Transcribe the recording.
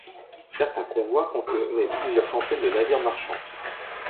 Certains convois contenaient plusieurs centaines de navires marchands.